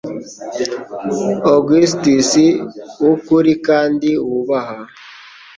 Augustus w'ukuri kandi wubaha